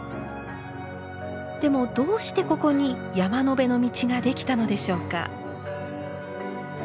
でもどうしてここに山辺の道ができたのでしょうか。